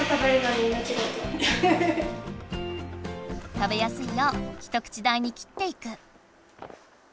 食べやすいよう一口大に切っていく。